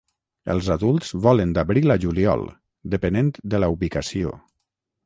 Els adults volen d'abril a juliol, depenent de la ubicació.